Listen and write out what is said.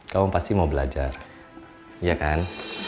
kamu pasti mau belajar iya kan